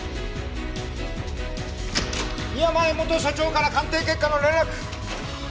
宮前元所長から鑑定結果の連絡！